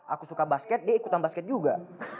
aku suka basket dia ikutan basket juga